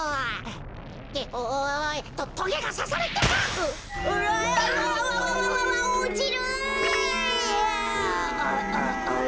あれ？